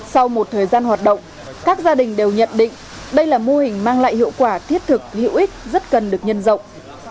sau một thời gian hoạt động các gia đình đều nhận định đây là mô hình mang lại hiệu quả thiết thực hữu ích rất cần được nhân rộng